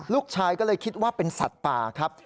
ลูกชายก็เลยคิดว่าเป็นสัตว์ป่าครับ